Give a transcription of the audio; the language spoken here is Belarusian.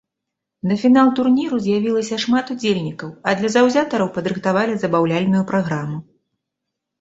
На фінал турніру з'явілася шмат удзельнікаў, а для заўзятараў падрыхтавалі забаўляльную праграму.